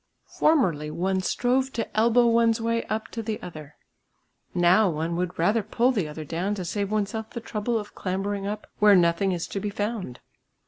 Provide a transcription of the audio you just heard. Formerly one strove to elbow one's way up to the other; now one would rather pull the other down to save oneself the trouble of clambering up where nothing is to be found.